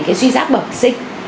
cái suy giáp bẩm sinh